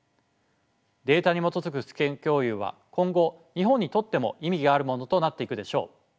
データに基づく知見共有は今後日本にとっても意義があるものとなっていくでしょう。